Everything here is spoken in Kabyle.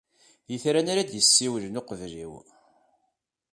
D itran ara d-yessiwlen uqbel-iw.